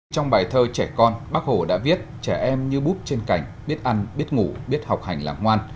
trong bài thơ trẻ con bác hồ đã viết trẻ em như búp trên cảnh biết ăn biết ngủ biết học hành là ngoan